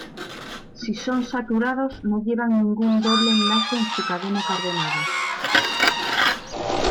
Si son saturados no llevan ningún doble enlace en su cadena carbonada.